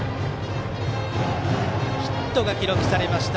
ヒットが記録されました。